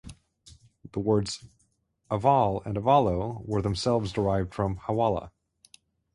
The words "aval" and "avallo" were themselves derived from "hawala".